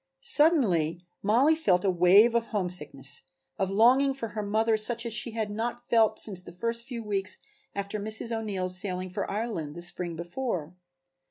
Suddenly Mollie felt a wave of homesickness, of longing for her mother such as she had not felt since the first few weeks after Mrs. O'Neill's sailing for Ireland the spring before.